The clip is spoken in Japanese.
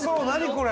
これ！